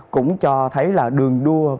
cũng cho thấy là đường đua